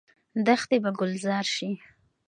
دښتې به ګلزار شي.